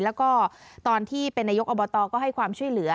แล้วก็ตอนที่เป็นนายกอบตก็ให้ความช่วยเหลือ